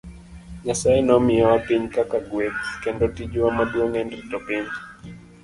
Nyasaye nomiyowa piny kaka gweth, kendo tijwa maduong' en rito piny.